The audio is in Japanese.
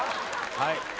はい。